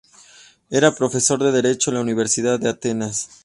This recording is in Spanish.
Era profesor de derecho en la Universidad de Atenas.